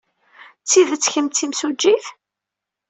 D tidet kemm d timsujjit?